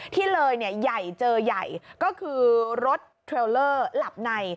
ที่เลยใหญ่เจอใหญ่ก็คือรถเทรลเลอร์หลับใน